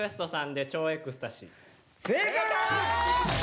正解！